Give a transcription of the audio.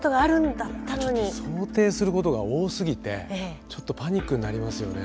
ちょっと想定することが多すぎてちょっとパニックになりますよね